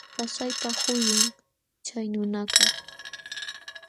Pasaypa huyum chay nunakaq.